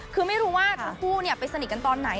คือไม่รู้ว่าทั้งคู่ไปสนิทกันตอนไหน